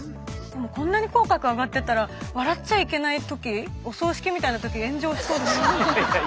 こんなに口角上がってたら笑っちゃいけないときお葬式みたいなとき炎上しそうですよね。